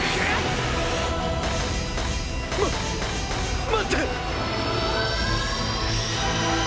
待っ待ってーー。